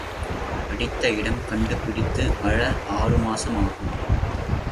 அடித்த இடம் கண்டுபிடித்து அழ ஆறு மாசம் ஆகும்.